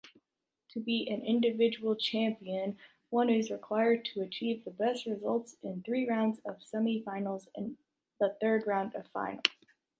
To be an individual champion, one is required to achieve the best results in the three rounds of semi-finals and the third round of finals.